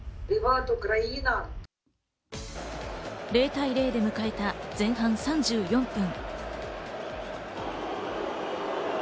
０対０で迎えた前半３４分。